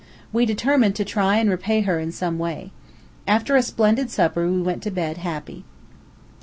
We determined to try and repay her in some way. After a splendid supper we went to bed happy.